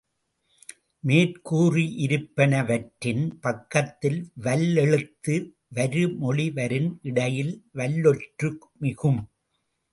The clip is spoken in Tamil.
மேற் கூறியிருப்பனவற்றின் பக்கத்தில் வல்லெழுத்து வருமொழிவரின் இடையில் வல்லொற்று மிகும்.